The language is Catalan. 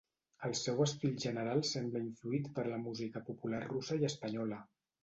El seu estil general sembla influït per la música popular russa i espanyola.